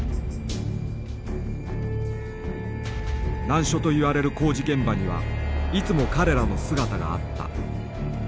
難所といわれる工事現場にはいつも彼らの姿があった。